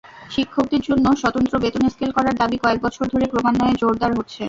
শিক্ষকদের জন্য স্বতন্ত্র বেতন স্কেল করার দাবি কয়েক বছর ধরে ক্রমান্বয়ে জোরদার হচ্ছে।